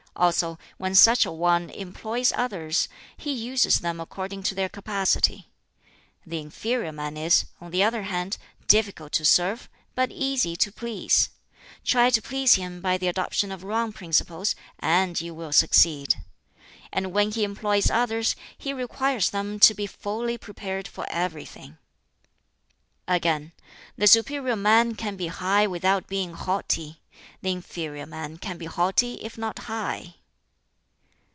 Also, when such a one employs others, he uses them according to their capacity. The inferior man is, on the other hand, difficult to serve, but easy to please. Try to please him by the adoption of wrong principles, and you will succeed. And when he employs others he requires them to be fully prepared for everything." Again, "The superior man can be high without being haughty. The inferior man can be haughty if not high."